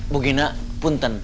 bu gina punten